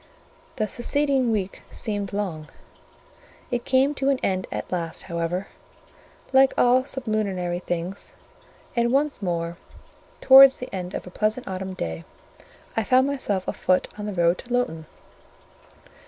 The succeeding week seemed long: it came to an end at last, however, like all sublunary things, and once more, towards the close of a pleasant autumn day, I found myself afoot on the road to Lowton.